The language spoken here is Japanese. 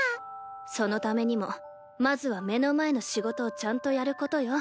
そのためにもまずは目の前の仕事をちゃんとやることよ。